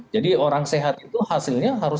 jadi orang sehat itu hasilnya harus